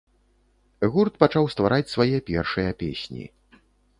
Гурт пачаў ствараць свае першыя песні.